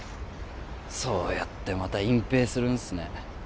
そうやってまた隠蔽するんすね